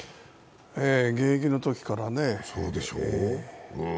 現役のときからね。